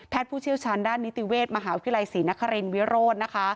ผู้เชี่ยวชาญด้านนิติเวชมหาวิทยาลัยศรีนครินวิโรธ